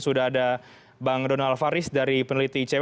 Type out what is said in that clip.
sudah ada bang donald faris dari peneliti icw